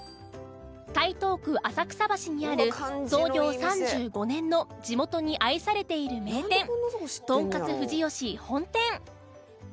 台東区浅草橋にある創業３５年の地元に愛されている名店とんかつ藤芳本店